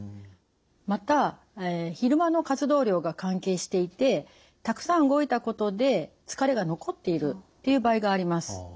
また昼間の活動量が関係していてたくさん動いたことで疲れが残っているっていう場合があります。